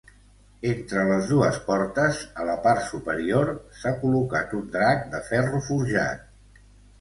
Entre les dues portes, a la part superior, s'ha col·locat un drac de ferro forjat.